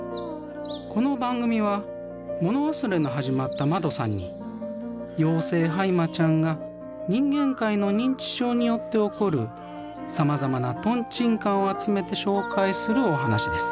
この番組はもの忘れの始まったまどさんに妖精ハイマちゃんが人間界の認知症によって起こるさまざまなトンチンカンを集めて紹介するお話です。